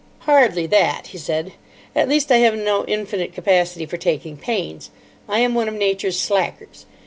"Hardly that," he said. "At least, I have no infinite capacity for taking pains. I am one of Nature's slackers.